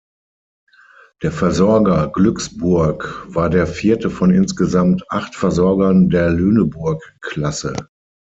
Der Versorger "Glücksburg" war der vierte von insgesamt acht Versorgern der Lüneburg-Klasse.